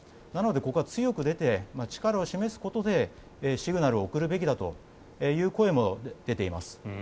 なので、ここは強く出て力を示すことでシグナルを送るべきだという声も出ています。